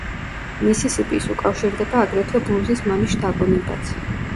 მისისიპის უკავშირდება აგრეთვე ბლუზის მამის შთაგონებაც.